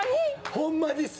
ホンマです！